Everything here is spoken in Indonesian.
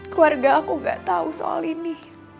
keluarga aku gak tahu soal ini